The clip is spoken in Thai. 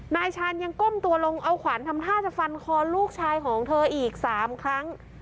นายชาญยังก้มตัวลงเอาขวานทำท่าจะฟันคอลูกชายของเธออีก๓ครั้ง